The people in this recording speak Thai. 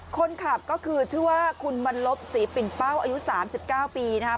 คนขับก็คือชื่อว่าคุณบรรลบศรีปิ่นเป้าอายุ๓๙ปีนะครับ